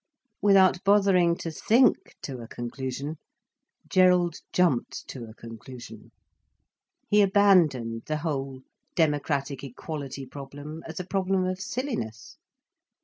Without bothering to think to a conclusion, Gerald jumped to a conclusion. He abandoned the whole democratic equality problem as a problem of silliness.